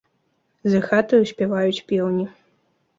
За хатаю спяваюць пеўні.